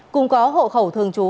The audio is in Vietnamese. cùng có hộ khẩu thường trú